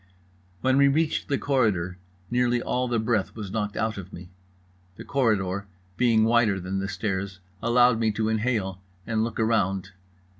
When we reached the corridor nearly all the breath was knocked out of me. The corridor being wider than the stairs allowed me to inhale and look around.